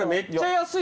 安い。